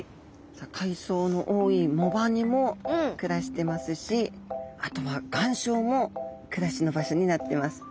さあ海藻の多い藻場にも暮らしてますしあとは岩礁も暮らしの場所になってます。